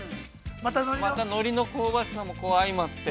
◆のりの香ばしさも相まって。